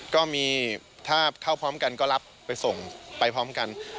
ก็มีถ้าเข้าพร้อมกันก็รับไปส่งไปพร้อมกัน